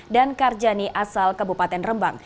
dan karjani asal kabupaten rembang